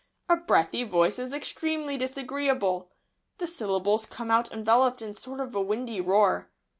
A breathy voice is extremely disagreeable. The syllables come out enveloped in a sort of windy roar.